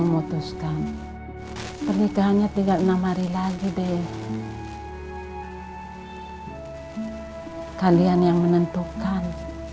memutuskan pernikahannya tinggal enam hari lagi deh kalian yang menentukan